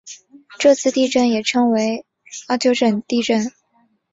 这次地震也称为奥尻岛地震。